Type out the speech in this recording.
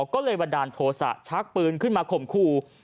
ก็เลยบันดาลโทษะชักปืนขึ้นมาข่มขู่